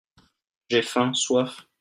J'ai faim/soif.